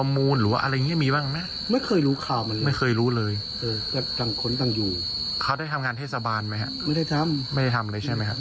ไม่ได้ทำไม่ได้ทำเลยใช่ไหมครับ